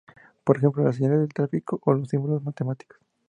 Por ejemplo, las señales de tráfico o los símbolos matemáticos.